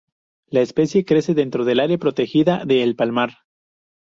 La especie crece dentro del Área Protegida de El Palmar.